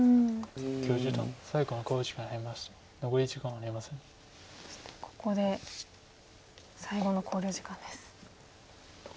そしてここで最後の考慮時間です。